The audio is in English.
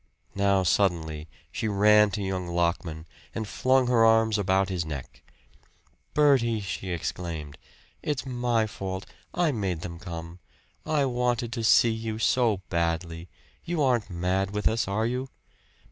Now suddenly she ran to young Lockman and flung her arms about his neck. "Bertie," she exclaimed, "it's my fault. I made them come! I wanted to see you so badly! You aren't mad with us, are you?"